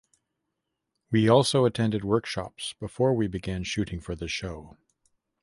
We also attended workshops before we began shooting for the show.